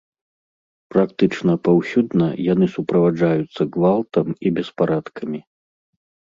Практычна паўсюдна яны суправаджаюцца гвалтам і беспарадкамі.